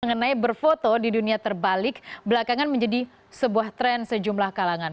mengenai berfoto di dunia terbalik belakangan menjadi sebuah tren sejumlah kalangan